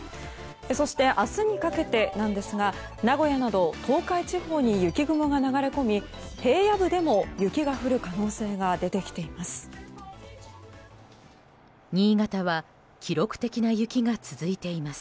そして明日にかけてですが名古屋など東海地方に雪雲が流れ込み平野部でも雪が降る可能性が出てきています。